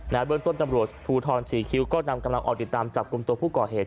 เบื้องต้นตำรวจภูทรศรีคิ้วก็นำกำลังออกติดตามจับกลุ่มตัวผู้ก่อเหตุ